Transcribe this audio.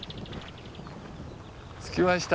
着きました。